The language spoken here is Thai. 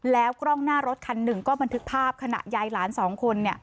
แล้วกล้องหน้ารถคันหนึ่งก็บันทึกภาพขณะยายหลานสองคน